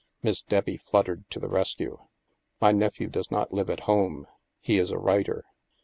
Miss Debbie fluttered to the rescue. " My nephew does not live at home ; he is a writer."